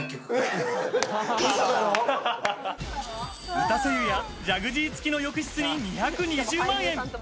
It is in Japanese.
打たせ湯やジャグジー付の浴室に２２０万円。